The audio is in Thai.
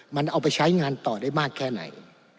มันเอาไปใช้งานต่อได้มากแค่ไหน